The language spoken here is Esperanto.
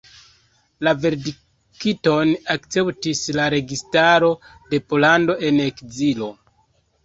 La verdikton akceptis la registaro de Pollando en ekzilo.